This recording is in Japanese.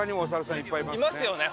いますよね